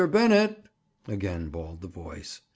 Bennett!" again bawled the voice.